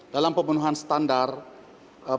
dalam pemenuhan standar pemberian vaksinasi covid sembilan belas